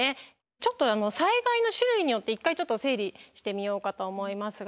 ちょっと災害の種類によって一回整理してみようかと思いますが。